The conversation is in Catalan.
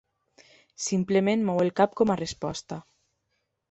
Simplement mou el cap com a resposta.